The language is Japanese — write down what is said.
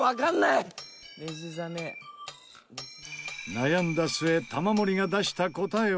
悩んだ末玉森が出した答えは。